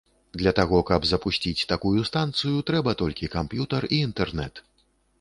Для таго, каб запусціць такую станцыю трэба толькі камп'ютар і інтэрнэт.